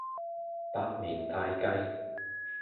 百年大計